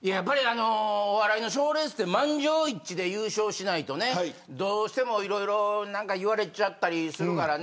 お笑いの賞レースって満場一致で優勝しないとどうしてもいろいろ言われちゃったりするからね。